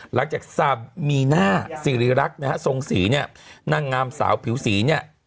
หลังจากซามีน่าซีรีรักนะฮะทรงสีเนี่ยนางงามสาวผิวสีเนี่ย